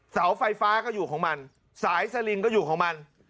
เสาไฟฟ้าก็อยู่ของมันสายสลิงก็อยู่ของมัน